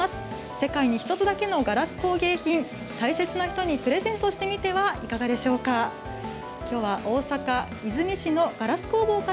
世界で１つだけのガラス工芸品を大切な人にプレゼントしてみてはいかがでしょうか。